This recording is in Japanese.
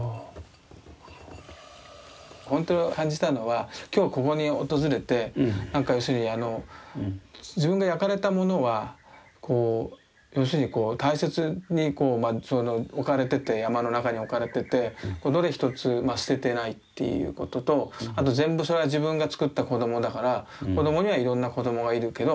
本当感じたのは今日ここに訪れて要するに自分が焼かれたものは要するにこう大切に置かれてて山の中に置かれててどれ一つ捨ててないっていうこととあと全部それは自分が作った子供だから子供にはいろんな子供がいるけどまあ